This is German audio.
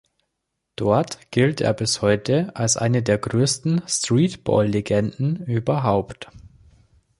Dort gilt er bis heute als eine der größten Streetball-Legenden überhaupt.